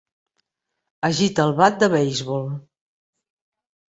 Agita el bat de beisbol.